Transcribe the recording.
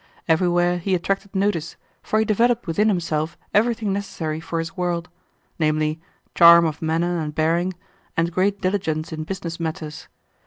Everywhere he attracted notice, for he developed within himself everything necessary for this world namely, charm of manner and bearing, and great diligence in business matters.